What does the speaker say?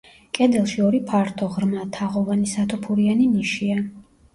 კედელში ორი ფართო, ღრმა, თაღოვანი, სათოფურიანი ნიშია.